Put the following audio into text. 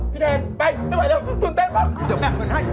พี่เทนไปเป็นไหวแล้วตื่นเต้นมา